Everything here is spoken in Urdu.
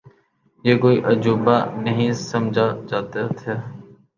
یہ کوئی عجوبہ نہیں سمجھا جاتا تھا۔